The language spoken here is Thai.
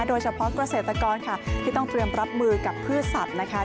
โดยเฉพาะเกษตรกรค่ะที่ต้องเตรียมรับมือกับพืชสัตว์นะคะ